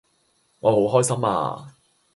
我好開心呀